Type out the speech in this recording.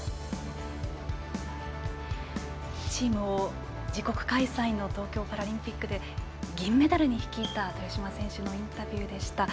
チームを自国開催の東京パラリンピックで銀メダルに率いた豊島選手のインタビューでした。